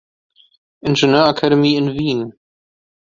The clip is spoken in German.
Ingenieurakademie in Wien.